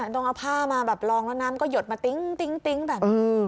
ต้องเอาผ้ามาแบบลองแล้วน้ำก็หยดมาติ๊งแบบนี้